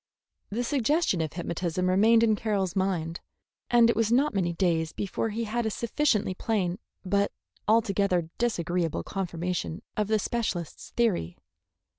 The suggestion of hypnotism remained in Carroll's mind, and it was not many days before he had a sufficiently plain but altogether disagreeable confirmation of the specialist's theory.